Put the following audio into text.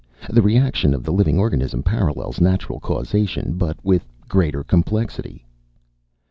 The reaction of the living organism parallels natural causation, but with greater complexity."